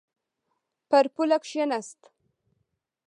پر پوله کښېناست.